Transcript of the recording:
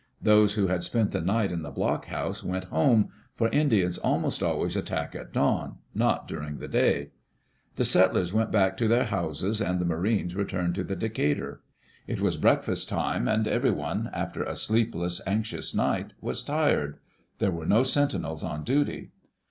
Those who had spent the night in the blockhouse went home, for Indians almost always attack at dawn, not during the day. The settlers went back to their houses and the marines Digitized by CjOOQ IC EARLY DAYS IN OLD OREGON returned to the Decatur. It was breakfast time and every one, after a sleepless, anxious nig^t, was tired. There were no sentinels on duty.